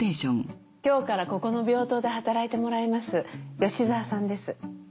今日からここの病棟で働いてもらいます吉沢さんです。